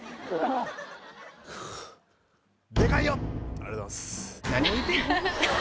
ありがとうございます。